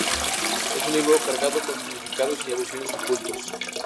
Es un libro cargado con significados y alusiones ocultos.